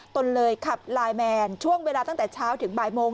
ตนเลยขับไลน์แมนช่วงเวลาตั้งแต่เช้าถึงบ่ายโมง